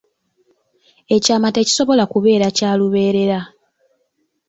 Ekyama tekisobola kubeera kya lubeerera.